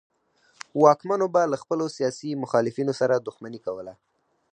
واکمنو به له خپلو سیاسي مخالفینو سره دښمني کوله.